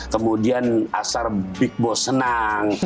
kemudian asar big boss senang